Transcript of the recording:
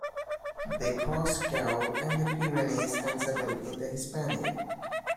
They crossed Gaul and the Pyrenees and settled in the Hispania.